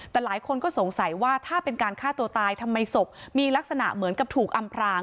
แต่หลายคนก็สงสัยว่าถ้าเป็นการฆ่าตัวตายทำไมศพมีลักษณะเหมือนกับถูกอำพราง